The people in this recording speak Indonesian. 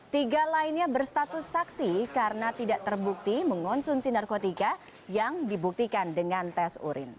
tiga lainnya berstatus saksi karena tidak terbukti mengonsumsi narkotika yang dibuktikan dengan tes urin